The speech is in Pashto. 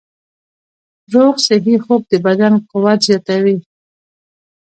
روغ صحي خوب د بدن قوت زیاتوي.